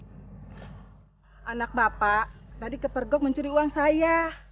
anak bapak tadi kepergok mencuri uang saya